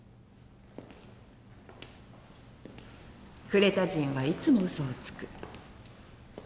「クレタ人はいつも嘘をつく」